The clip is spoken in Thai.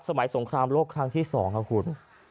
สงครามโลกครั้งที่๒ครับคุณ